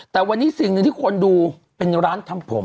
แต่วันนี้สิ่งหนึ่งที่คนดูเป็นร้านทำผม